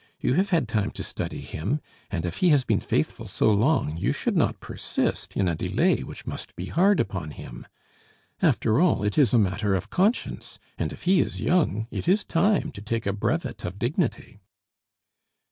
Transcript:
You have had time to study him; and if he has been faithful so long, you should not persist in a delay which must be hard upon him. After all, it is a matter of conscience; and if he is young, it is time to take a brevet of dignity."